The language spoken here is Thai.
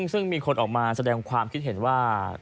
ซึ่งมีคนออกมาแสดงความคิดเห็นว่า